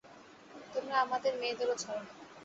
তোমরা আমাদের মেয়েদেরও ছাড় না!